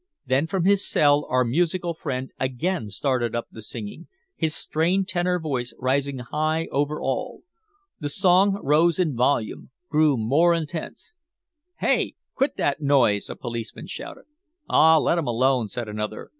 Then from his cell our musical friend again started up the singing, his strained tenor voice rising high over all. The song rose in volume, grew more intense. "Heigh! Quit that noise!" a policeman shouted. "Aw, let 'em alone," said another.